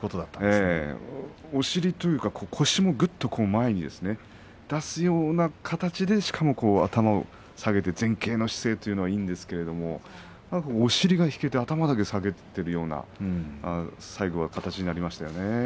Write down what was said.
お尻というか腰もぐっと前に出すような形で、しかも頭を下げて前傾姿勢はいいんですがお尻が引けて頭だけが下がっていると最後はそんな形になりました。